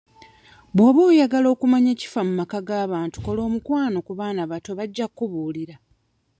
Bw'oba oyagala okumanya ekifa mu maka g'abantu kola omukwano ku baana abato bajja kkubuulira.